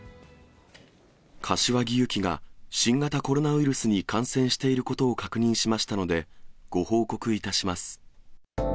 柏木由紀が新型コロナウイルスに感染していることを確認しましたので、ご報告いたします。